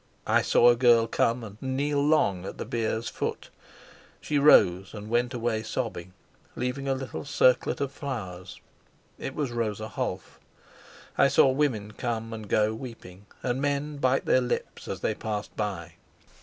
I saw a girl come and kneel long at the bier's foot. She rose and went away sobbing, leaving a little circlet of flowers. It was Rosa Holf. I saw women come and go weeping, and men bite their lips as they passed by.